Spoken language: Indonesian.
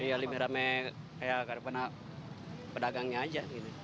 iya lebih rame kayak pada pedagangnya aja